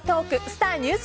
スター☆